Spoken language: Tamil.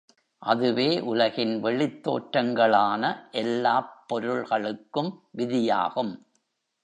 அதுவே உலகின் வெளித் தோற்றங்களான எல்லாப் பொருள்களுக்கும் விதியாகும்.